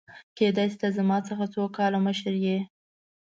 کيدای شي ته زما څخه څو کاله مشر يې !؟